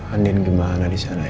andien gimana di sana ya